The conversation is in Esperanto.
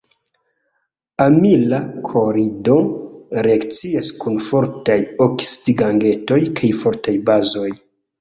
Amila klorido reakcias kun fortaj oksidigagentoj kaj fortaj bazoj.